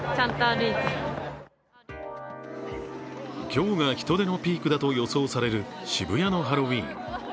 今日が人出のピークだと予想される渋谷のハロウィーン。